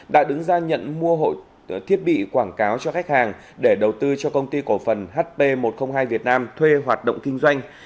đã đứng ra nhận mua thiết bị quảng cáo cho khách hàng để đầu tư cho công ty cổ phần hp một trăm linh hai việt nam thuê hoạt động kinh doanh